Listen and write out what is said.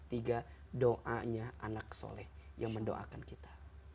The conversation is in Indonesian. tiga doanya anak soleh yang mendoakan kita